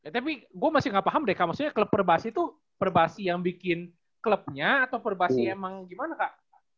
tapi gue masih enggak paham deka maksudnya klub perbasih itu perbasih yang bikin klubnya atau perbasih emang gimana kak